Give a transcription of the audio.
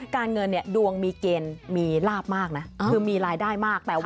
การเงินเนี่ยดวงมีเกณฑ์มีลาบมากนะคือมีรายได้มาก